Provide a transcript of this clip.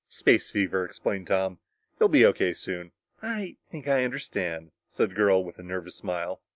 "Space fever," explained Tom. "He'll be O.K. soon." "I think I understand," said the girl with a nervous smile.